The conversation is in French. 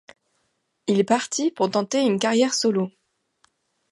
Il partit pour tenter une carrière solo.